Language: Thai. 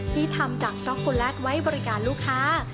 ที่ทำจากช็อกโกแลตไว้บริการลูกค้า